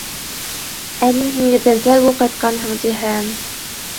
Ә мин һине иртәнсәк үк ҡайтҡанһың, тиһәм?